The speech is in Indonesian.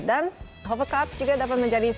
dan hovercard juga dapat menjadi sobat